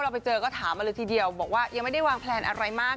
ไปเจอก็ถามมาเลยทีเดียวบอกว่ายังไม่ได้วางแพลนอะไรมาก